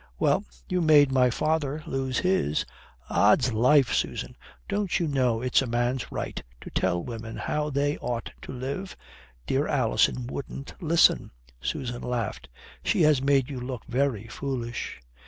"Well. You made my father lose his." "Ods life, Susan, don't you know it's a man's right to tell women how they ought to live? Dear Alison wouldn't listen." Susan laughed. "She has made you look very foolish."